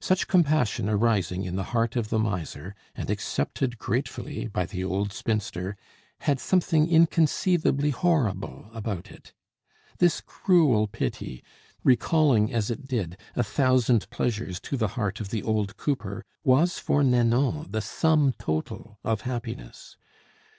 Such compassion arising in the heart of the miser, and accepted gratefully by the old spinster, had something inconceivably horrible about it. This cruel pity, recalling, as it did, a thousand pleasures to the heart of the old cooper, was for Nanon the sum total of happiness.